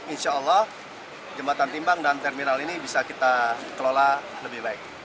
insya allah jembatan timbang dan terminal ini bisa kita kelola lebih baik